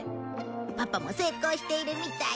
パパも成功しているみたい！